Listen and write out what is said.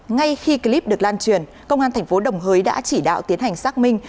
ngay khi clip được lan truyền công an thành phố đồng hới đã chỉ đạo tiến hành xác minh